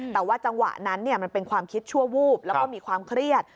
แต่ว่าจังหวะนั้นมันเป็นความคิดชั่ววูบแล้วก็มีความเครียด